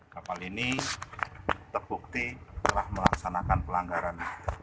kapal ini terbukti telah melaksanakan pelanggaran